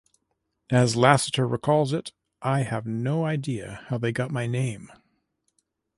As Lassiter recalls it, I have no idea how they got my name.